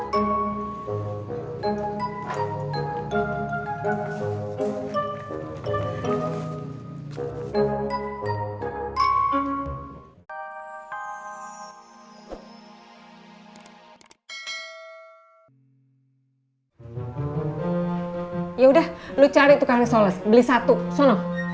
yaudah lo cari tukang resoles beli satu sono